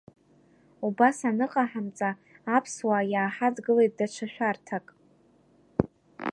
Убас аныҟаҳамҵа, аԥсуаа иааҳадгылеит даҽа шәарҭак.